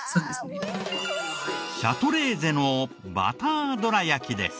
シャトレーゼのバターどらやきです。